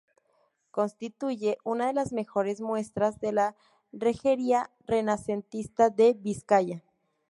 Constituye una de las mejores muestras de la rejería renacentista de Vizcaya.